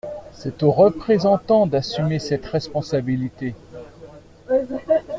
C'est aux Représentants d'assumer cette responsabilité.